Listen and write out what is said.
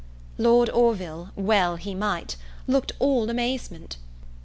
Lord Orville well he might looked all amazement.